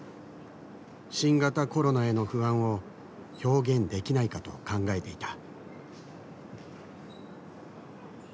新型コロナへの不安を表現できないかと考えていた。